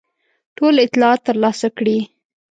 ټول اطلاعات ترلاسه کړي.